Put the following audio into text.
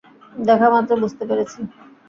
দেখামাত্র বুঝতে পেরেছি।